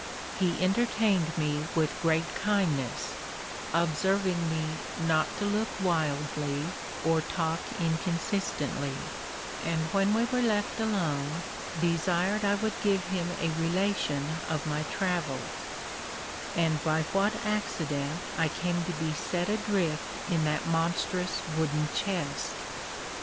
He entertained me with great kindness, observing me not to look wildly or talk inconsistently; and when we were left alone, desired I would give him a relation of my travels; and by what accident I came to be set adrift in that monstrous wooden chest.